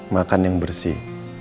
makan yang bersih